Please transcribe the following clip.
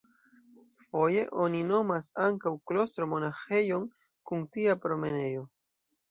Foje oni nomas ankaŭ "klostro" monaĥejon kun tia promenejo.